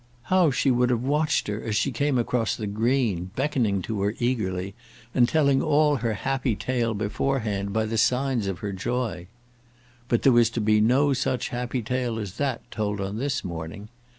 How she would have watched her as she came across the green, beckoning to her eagerly, and telling all her happy tale beforehand by the signs of her joy! But there was to be no such happy tale as that told on this morning.